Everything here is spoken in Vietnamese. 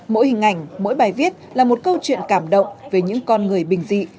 mỗi hình ảnh mỗi bài viết là một câu chuyện cảm động về những con người bình dị